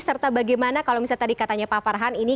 serta bagaimana kalau misalnya tadi katanya pak farhan ini